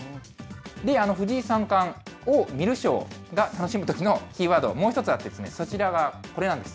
藤井三冠を観る将が楽しむときのキーワードはもう一つあって、そちらがこれなんです。